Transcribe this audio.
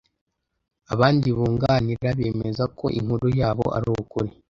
Abandi bunganira bemeza ko inkuru yabo ari ukuri